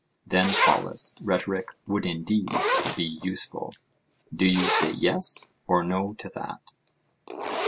Then, Polus, rhetoric would indeed be useful. Do you say "Yes" or "No" to that?